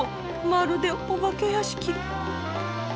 まるでお化け屋敷。